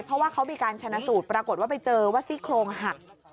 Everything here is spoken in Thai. เพราะว่าเขามีการชนะสูตรปรากฏว่าไปเจอว่าซี่โครงหัก